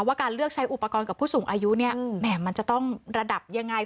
ว่าการเลือกใช้อุปกรณ์กับผู้สูงอายุเนี่ยแหมมันจะต้องระดับยังไง